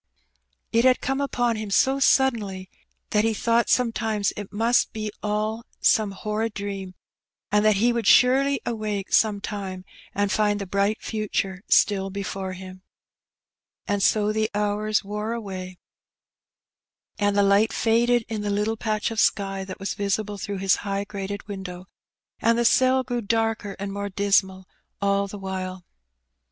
It had come upon him so suddenly that he thought sometimes it must be all some horrid dream, and that he would surely awake some time and find the bright future still before him. And so the hours wore away, and the light faded in the little patch of sky that was visible through his high grated window, and the cell grew darker and more dismal all the while.